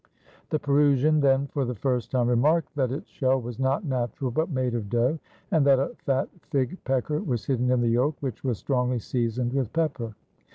The Perusian then for the first time remarked that its shell was not natural, but made of dough, and that a fat fig pecker was bidden in the yolk, which was strongly seasoned with pepper.